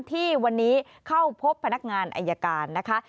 ที่วันนี้เข้าพบพนักงานอายการนะคะ